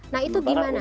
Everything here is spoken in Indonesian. nah itu gimana